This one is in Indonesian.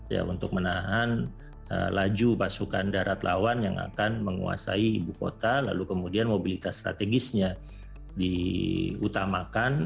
ya untuk menahan laju pasukan darat lawan yang akan menguasai ibu kota lalu kemudian mobilitas strategisnya diutamakan